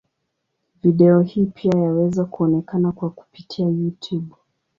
Video hii pia yaweza kuonekana kwa kupitia Youtube.